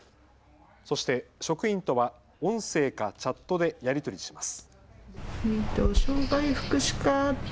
そして職員とは音声かチャットでやり取りします。